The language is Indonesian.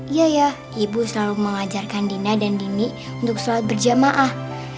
iya ya ibu selalu mengajarkan dina dan dini untuk sholat berjamaah